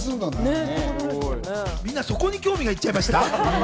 みんなそこに興味がいっちゃいました。